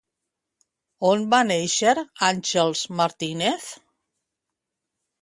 On va néixer Àngels Martínez?